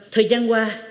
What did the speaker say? thời gian qua